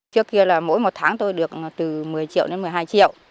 trước kia là mỗi một tháng tôi được từ một mươi triệu đến một mươi hai triệu